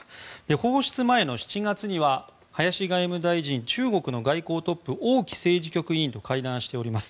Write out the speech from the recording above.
放出前の７月には林外務大臣は中国の外交トップ王毅政治局員と会談しております。